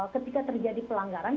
ketika terjadi pelanggaran